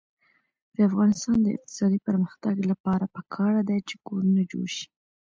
د افغانستان د اقتصادي پرمختګ لپاره پکار ده چې کورونه جوړ شي.